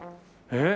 えっ！？